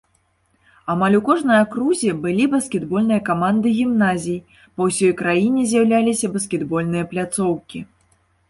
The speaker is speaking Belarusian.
Амаль у кожнай акрузе былі баскетбольныя каманды гімназій, па ўсёй краіне з'яўляліся баскетбольныя пляцоўкі.